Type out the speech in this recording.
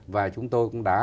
và chúng tôi cũng đã